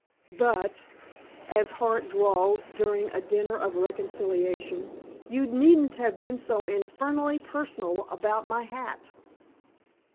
"But," as Hart drawled during a dinner of reconciliation, "you needn't have been so infernally personal about my hat."